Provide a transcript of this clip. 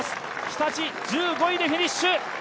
日立１５位でフィニッシュ。